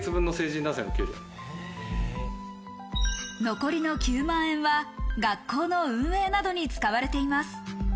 残りの９万円は学校運営などに使われています。